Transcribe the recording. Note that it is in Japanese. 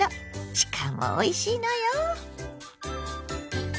しかもおいしいのよ！